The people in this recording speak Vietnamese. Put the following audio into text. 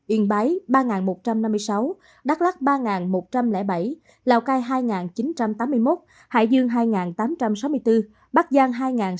yên báy ba một trăm năm mươi sáu đắk lắc ba một trăm linh bảy lào cai hai chín trăm tám mươi một hải dương hai tám trăm sáu mươi bốn bắc giang hai sáu trăm tám mươi tám